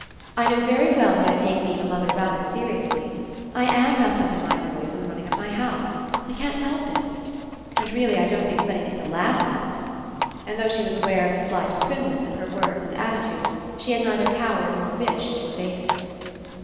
I know very well that I take being a mother rather seriously, I am wrapped up in my boys and the running of my house. I can't help It. And, really, I don't think it's anything to laugh at." And though she was aware of the slight primness in her words and attitude, she had neither power nor wish to efface it.